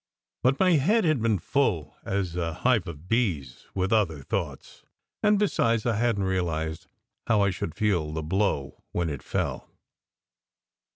But my head had been full as a hive of bees with other thoughts; and besides, I hadn t realized how I should feel the blow when it fell.